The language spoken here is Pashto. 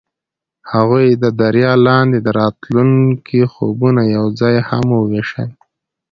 هغوی د دریا لاندې د راتلونکي خوبونه یوځای هم وویشل.